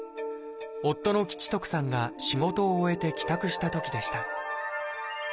夫の吉徳さんが仕事を終えて帰宅したときでした